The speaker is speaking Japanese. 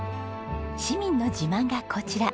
市民の自慢がこちら。